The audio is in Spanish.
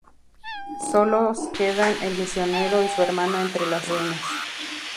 Solos quedan el misionero y su hermana entre las ruinas.